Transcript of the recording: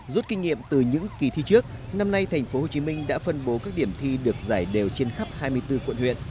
rút kinh nghiệm từ những kỳ thi trước năm nay tp hcm đã phân bố các điểm thi được giải đều trên khắp hai mươi bốn quận huyện